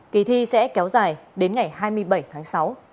kỳ thi sẽ kéo dài đến ngày hai mươi bảy tháng sáu